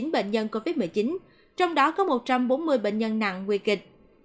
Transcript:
bốn trăm bốn mươi chín bệnh nhân covid một mươi chín trong đó có một trăm bốn mươi bệnh nhân nặng nguy kịch